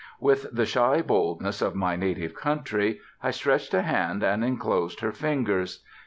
With the shy boldness of my native country, I stretched a hand and inclosed her fingers.